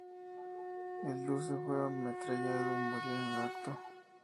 El Duce fue ametrallado y murió en el acto.